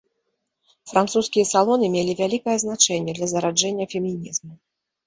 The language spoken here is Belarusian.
Французскія салоны мелі вялікае значэнне для зараджэння фемінізму.